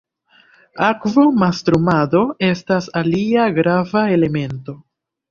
Akvo-mastrumado estas alia grava elemento.